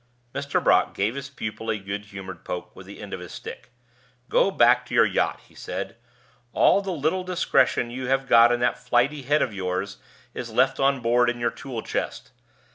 Mr. Brock gave his pupil a good humored poke with the end of his stick. "Go back to your yacht," he said. "All the little discretion you have got in that flighty head of yours is left on board in your tool chest.